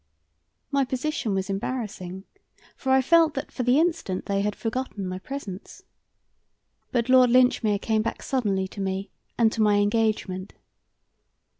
My position was embarrassing, for I felt that for the instant they had forgotten my presence. But Lord Linchmere came back suddenly to me and to my engagement.